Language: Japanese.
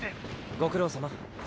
ご苦労さま。